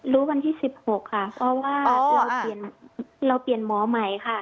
รู้วันที่๑๖ค่ะเพราะว่าเราเปลี่ยนหมอใหม่ค่ะ